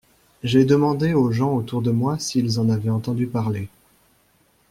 J’ai demandé aux gens autour de moi s’ils en avaient entendu parler.